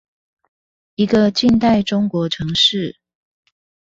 一個近代中國城市